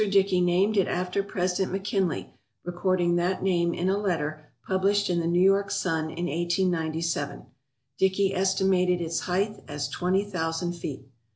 Dickey named it after President McKinley, recording that name in a letter published in the New York Sun in 1897. Dickey estimated its height as twenty thousand feet.